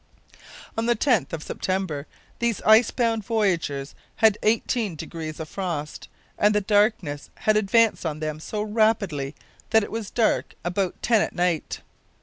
On the 10th of September these ice bound voyagers had eighteen degrees of frost, and the darkness had advanced on them so rapidly that it was dark about ten at night.